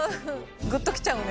グッときちゃうね。